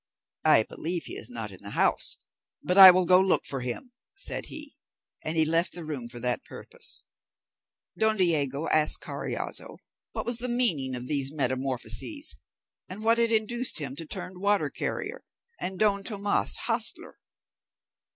"I believe he is not in the house, but I will go look for him," said he, and he left the room for that purpose. Don Diego asked Carriazo what was the meaning of these metamorphoses, and what had induced him to turn water carrier, and Don Tomas hostler?